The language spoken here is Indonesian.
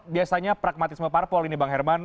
biasanya pragmatisme parpol ini bang herman